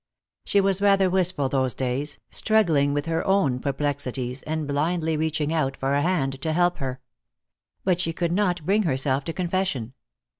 She was rather wistful those days, struggling with her own perplexities, and blindly reaching out for a hand to help her. But she could not bring herself to confession.